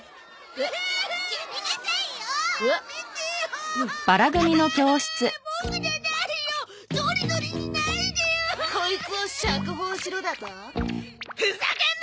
ふざけんなっ！